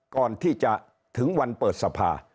ก่อนที่จะถึงวันเปิดสภา